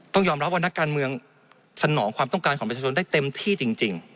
ต้องยอมรับว่านักการเมืองสนองความต้องการของประชาชนได้เต็มที่จริง